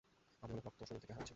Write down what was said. আমি অনেক রক্ত শরীর থেকে হারাচ্ছি।